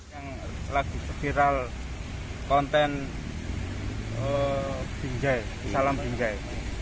lagi viral konten salam pinjai